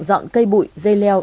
dọn cây bụi dây leo